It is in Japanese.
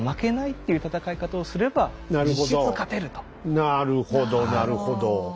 なるほどなるほど。